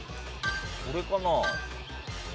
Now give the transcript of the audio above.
これかな？